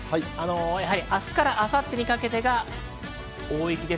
明日から明後日にかけてが大雪です。